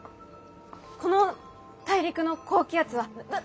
この大陸の高気圧はだ。